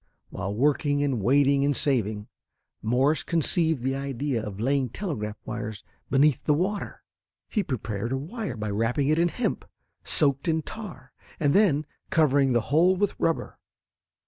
While working and waiting and saving, Morse conceived the idea of laying telegraph wires beneath the water. He prepared a wire by wrapping it in hemp soaked in tar, and then covering the whole with rubber.